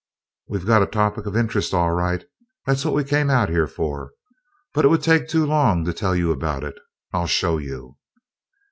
"We've got a topic of interest, all right. That's what we came out here for. But it would take too long to tell you about it I'll show you!"